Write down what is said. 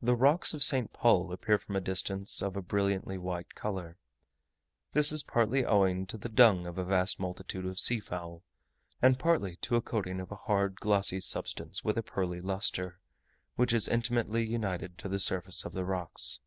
The rocks of St. Paul appear from a distance of a brilliantly white colour. This is partly owing to the dung of a vast multitude of seafowl, and partly to a coating of a hard glossy substance with a pearly lustre, which is intimately united to the surface of the rocks.